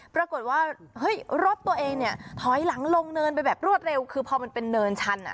ปรากฏว่าเฮ้ยรถตัวเองเนี่ยถอยหลังลงเนินไปแบบรวดเร็วคือพอมันเป็นเนินชัน